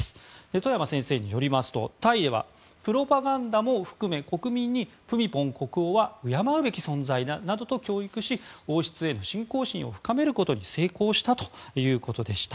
外山先生によりますとタイではプロパガンダも含め国民にプミポン国王は敬うべき存在だなどと教育し、王室への信仰心を深めることに成功したということでした。